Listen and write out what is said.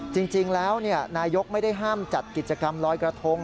จริงแล้วนายกไม่ได้ห้ามจัดกิจกรรมลอยกระทง